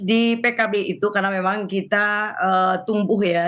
di pkb itu karena memang kita tumbuh ya